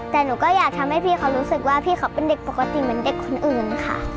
แต่หนูก็อยากทำให้พี่เขารู้สึกว่าพี่เขาเป็นเด็กปกติเหมือนเด็กคนอื่นค่ะ